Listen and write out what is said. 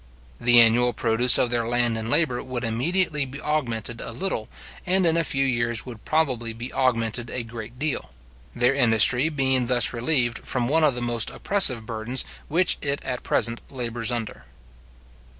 The annual produce of their land and labour would immediately be augmented a little, and in a few years would probably be augmented a great deal; their industry being thus relieved from one of the most oppressive burdens which it at present labours under.